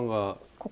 ここ。